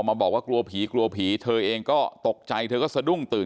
แม่น้องชมพู่แม่น้องชมพู่แม่น้องชมพู่